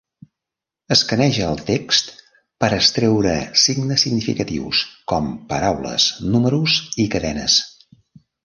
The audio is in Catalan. Escaneja el text per extreure "signes" significatius, com paraules, números i cadenes.